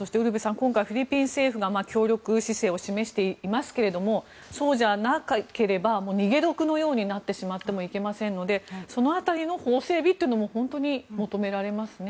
今回、フィリピン政府が協力姿勢を示していますけどそうじゃなければ逃げ得のようになってしまってもいけませんのでその辺りの法整備というのも本当に求められますね。